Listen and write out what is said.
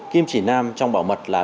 kim chỉ nam trong bảo mật là